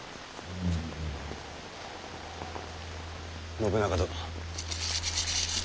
信長殿。